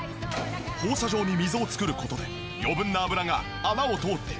放射状に溝を作る事で余分な脂が穴を通って水受け皿へ。